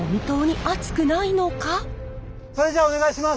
それじゃあお願いします！